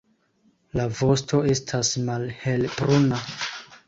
La vosto estas malhelbruna.